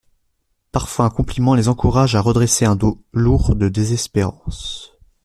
Parfois un compliment les encourage à redresser un dos lourd de désespérances.